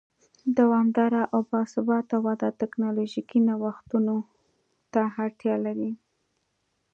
دوامداره او با ثباته وده ټکنالوژیکي نوښتونو ته اړتیا لري.